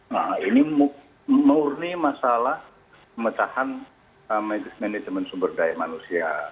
nah ini murni masalah pemecahan manajemen sumber daya manusia